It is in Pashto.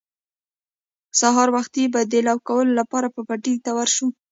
سهار وختي به د لو کولو لپاره به پټي ته ور شو.